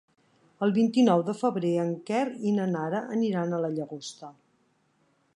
El vint-i-nou de febrer en Quer i na Nara aniran a la Llagosta.